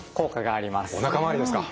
おなか回りですか。